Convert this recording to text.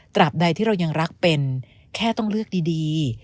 บใดที่เรายังรักเป็นแค่ต้องเลือกดี